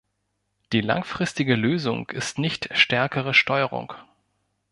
Die langfristige Lösung ist nicht stärkere Steuerung.